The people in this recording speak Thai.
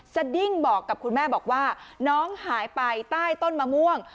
สดิ้งบอกกับคุณแม่บอกว่าน้องหายไปใต้ต้นมะม่วง